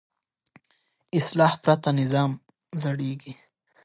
اصلاح پرته نظام زړېږي